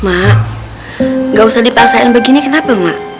mak gak usah dipaksain begini kenapa mak